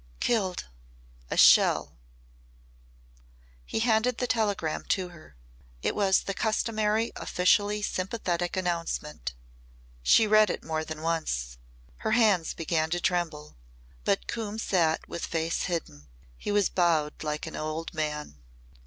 "Killed. A shell." He handed the telegram to her. It was the customary officially sympathetic announcement. She read it more than once. Her hands began to tremble. But Coombe sat with face hidden. He was bowed like an old man.